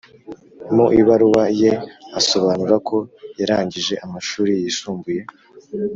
Mu ibaruwa ye asobanura ko yarangije amashuri yisumbuye